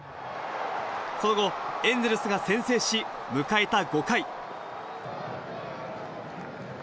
その後、エンゼルスが先制し、迎えた５回。